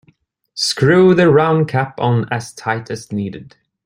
Screw the round cap on as tight as needed.